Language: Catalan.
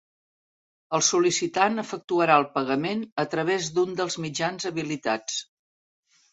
El sol·licitant efectuarà el pagament a través d'un dels mitjans habilitats.